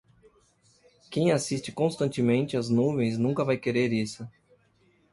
Quem assiste constantemente as nuvens nunca vai querer isso.